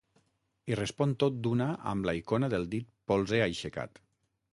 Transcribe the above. I respon tot d'una amb la icona del dit polze aixecat.